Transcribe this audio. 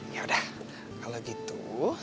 yaudah kalau gitu